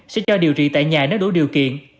sẽ cho điều trị tại nhà nếu đủ điều kiện